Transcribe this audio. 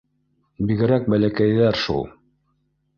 Бигерәк бәләкәйҙәр шул.